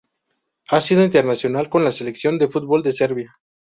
Ha sido internacional con la selección de fútbol de Serbia.